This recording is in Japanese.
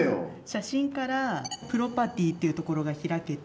写真からプロパティっていうところが開けて